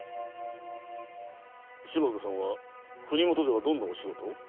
篠田さんは国元ではどんなお仕事を？